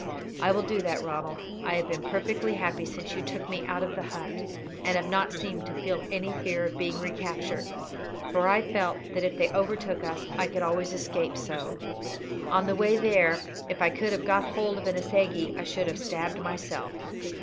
"I will do that, Ronald; I have been perfectly happy since you took me out of the hut, and have not seemed to feel any fear of being recaptured, for I felt that if they overtook us I could always escape so. On the way there, if I could have got hold of an assegai I should have stabbed myself."